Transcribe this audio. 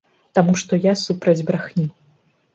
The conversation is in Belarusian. Таму што я супраць брахні.